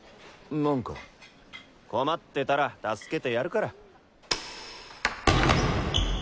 困ってたら助けてやるから。